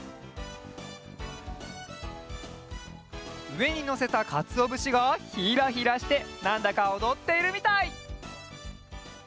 うえにのせたかつおぶしがひらひらしてなんだかおどっているみたい！